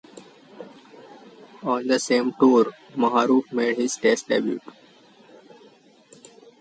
On the same tour, Maharoof made his Test debut.